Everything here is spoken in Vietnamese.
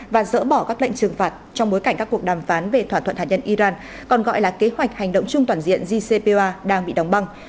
và dỡ bỏ các lệnh trừng phạt trong bối cảnh các cuộc đàm phán về thỏa thuận hạt nhân iran còn gọi là kế hoạch hành động chung toàn diện jcpo đang bị đóng băng